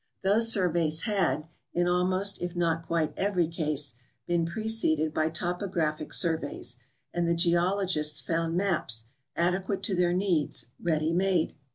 Those surveys had, in almost if not quite ever}^ case, been preceded by topographic surveys, and the geologists found maps, adequate to their needs, ready made.